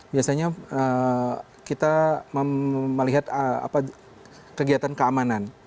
biasanya kita melihat kegiatan keamanan